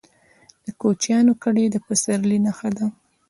د کوچیانو کډې د پسرلي نښه ده.